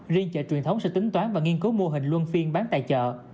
riêng chợ truyền thống sẽ tính toán và nghiên cứu mô hình luân phiên bán tại chợ